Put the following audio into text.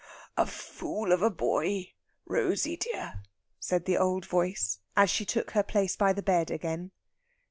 "A fool of a boy, Rosey dear," said the old voice, as she took her place by the bed again.